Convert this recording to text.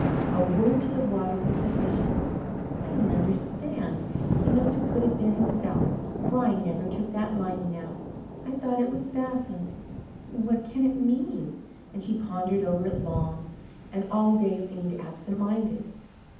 'A word to the wise is sufficient.' I don't understand he must have put it there himself, for I never took that lining out I thought it was fastened. What can it mean?" and she pondered over it long, and all day seemed absent minded.